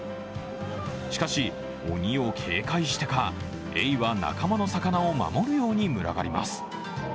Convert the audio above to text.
しかし、鬼を警戒してか、エイは仲間の魚を守るように群がります。